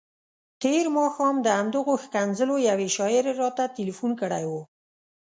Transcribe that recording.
تېر ماښام د همدغو ښکنځلو یوې شاعرې راته تلیفون کړی وو.